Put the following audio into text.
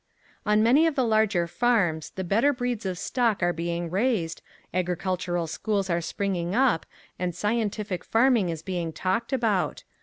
On many of the larger farms the better breeds of stock are being raised, agricultural schools are springing up and scientific farming is being talked about.